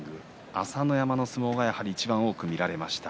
朝乃山の相撲がいちばん多く見られました。